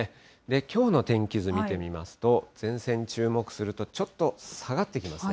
きょうの天気図見てみますと、前線に注目すると、ちょっと下がってきますね。